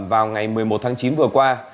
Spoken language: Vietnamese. vào ngày một mươi một tháng chín vừa qua